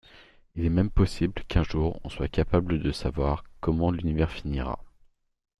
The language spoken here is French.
Il est même possible qu’un jour on soit capable de savoir comment l’univers finira.